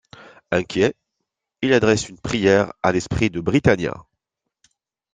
Inquiet, il adresse une prière à l'Esprit de Britannia.